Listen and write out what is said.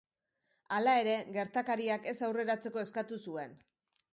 Hala ere, gertakariak ez aurreratzeko eskatu zuen.